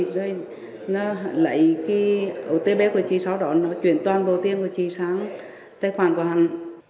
rồi nó lấy cái otb của chị sau đó nó chuyển toàn bộ tiền của chị sang tài khoản của hẳn